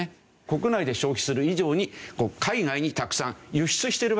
国内で消費する以上に海外にたくさん輸出してるわけですね。